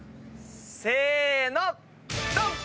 せーのドン！